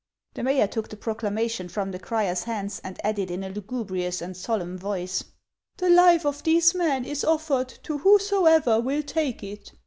The mayor took the proclamation from the crier's hands, and added in a lugubrious and solemn voice :—" The life of these men is offered to whosoever will take it."